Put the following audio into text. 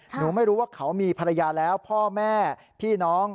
หนูไม่รู้ว่าเขามีภรรยาแล้วพ่อแม่พี่น้อง